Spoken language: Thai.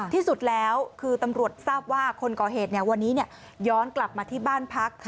ที่สุดแล้วคือตำรวจทราบว่าคนก่อเหตุวันนี้ย้อนกลับมาที่บ้านพัก